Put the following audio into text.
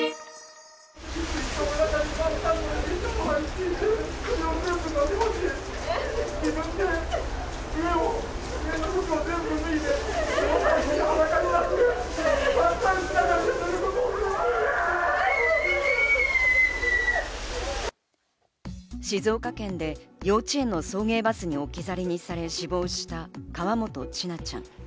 しかし理事長は行って静岡県で幼稚園の送迎バスに置き去りにされ死亡した河本千奈ちゃん。